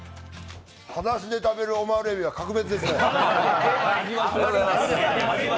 裸足で食べるオマール海老は格別ですね。